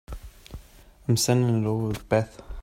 I'm sending it over with Beth.